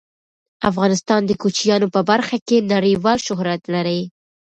افغانستان د کوچیانو په برخه کې نړیوال شهرت لري.